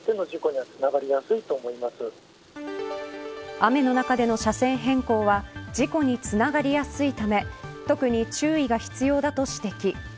雨の中での車線変更は事故につながりやすいため特に注意が必要だと指摘。